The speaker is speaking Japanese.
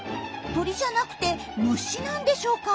鳥じゃなくて虫なんでしょうか？